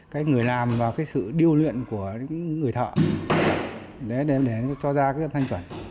cái người làm và cái sự điêu luyện của người thợ để cho ra cái âm thanh chuẩn